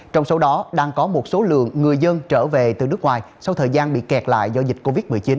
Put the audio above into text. trong số đó đang có một số lượng người dân trở về từ nước ngoài sau thời gian bị kẹt lại do dịch covid một mươi chín